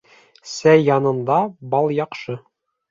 Сәй янында бал яҡшы.